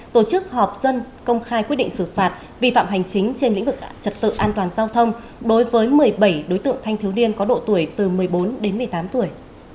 tổ chức họp dân công khai quyết định xử phạt vi phạm hành chính trên lĩnh vực trật tự an toàn giao thông đối với một mươi bảy đối tượng thanh thiếu niên có độ tuổi từ một mươi bốn đến một mươi tám tuổi